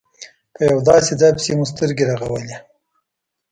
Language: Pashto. په یو داسې ځای پسې مو سترګې رغولې.